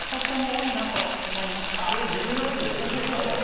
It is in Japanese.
それ自分のことですよね。